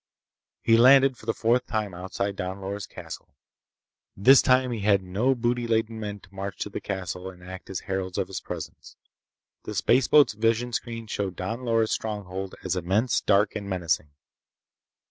He landed for the fourth time outside Don Loris' castle. This time he had no booty laden men to march to the castle and act as heralds of his presence. The spaceboat's visionscreens showed Don Loris' stronghold as immense, dark and menacing.